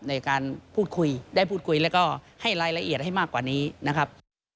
ในการพูดคุยได้พูดคุยแล้วก็ให้รายละเอียดให้มากกว่านี้นะครับ